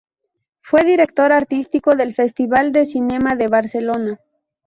Fue director artístico del Festival de Cinema de Barcelona.